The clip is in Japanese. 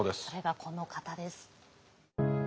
それがこの方です。